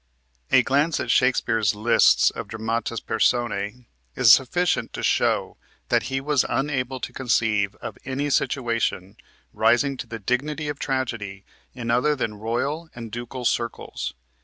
A glance at Shakespeare's lists of dramatis personæ is sufficient to show that he was unable to conceive of any situation rising to the dignity of tragedy in other than royal and ducal circles.